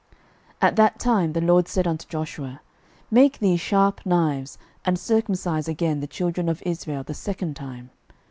06:005:002 At that time the LORD said unto Joshua, Make thee sharp knives, and circumcise again the children of Israel the second time.